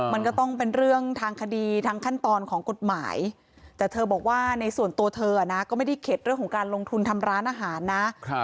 มันก็ต้องเป็นเรื่องทางคดีทางขั้นตอนของกฎหมายแต่เธอบอกว่าในส่วนตัวเธอนะก็ไม่ได้เข็ดเรื่องของการลงทุนทำร้านอาหารนะ